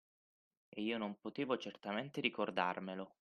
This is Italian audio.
E io non potevo certamente ricordarmelo.